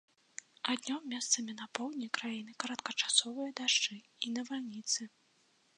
А днём месцамі на поўдні краіны кароткачасовыя дажджы і навальніцы.